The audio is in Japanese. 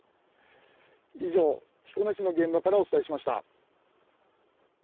以上、彦根市の現場からお伝えしました。